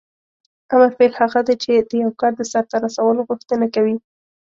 امر فعل هغه دی چې د یو کار د سرته رسولو غوښتنه کوي.